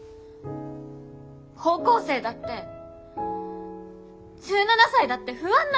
高校生だって１７才だって不安なんだよ。